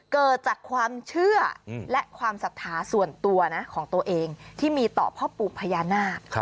เกิดจากความเชื่อและความศรัทธาส่วนตัวนะของตัวเองที่มีต่อพ่อปู่พญานาค